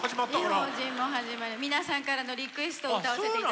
「異邦人」も始まり皆さんからのリクエストを歌わせていただいてるんです。